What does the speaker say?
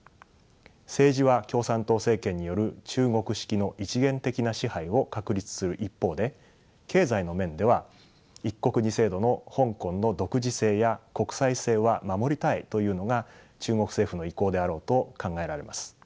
政治は共産党政権による中国式の一元的な支配を確立する一方で経済の面では「一国二制度」の香港の独自性や国際性は守りたいというのが中国政府の意向であろうと考えられます。